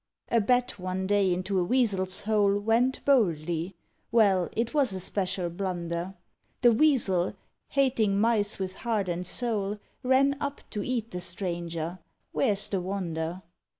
A Bat one day into a Weasel's hole Went boldly; well, it was a special blunder. The Weasel, hating mice with heart and soul, Ran up to eat the stranger where's the wonder?